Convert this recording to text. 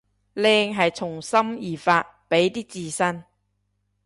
靚係從心而發，畀啲自信